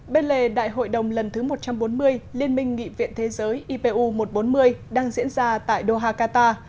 bên lề đại hội đồng lần thứ một trăm bốn mươi liên minh nghị viện thế giới ipu một trăm bốn mươi đang diễn ra tại doha qatar